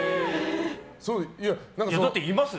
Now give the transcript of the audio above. だって、います？